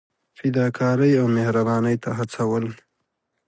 فدا کارۍ او مهربانۍ ته هڅول.